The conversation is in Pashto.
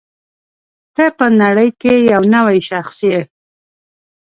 ته په نړۍ کې یو نوی شخص یې.